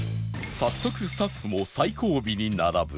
早速スタッフも最後尾に並ぶ